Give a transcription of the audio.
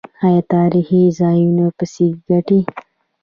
آیا تاریخي ځایونه پیسې ګټي؟